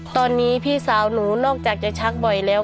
ตอนนี้พี่สาวหนูนอกจากจะชักบ่อยแล้ว